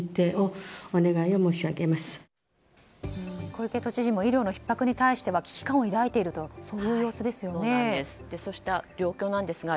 小池都知事も医療のひっ迫に危機感を抱いているという様子ですよね。